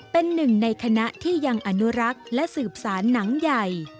เป็นหนึ่งในคณะที่ยังอนุรักษ์และสืบสารหนังใหญ่